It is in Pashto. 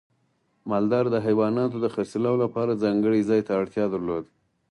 مالدار د حیواناتو د خرڅلاو لپاره ځانګړي ځای ته اړتیا درلوده.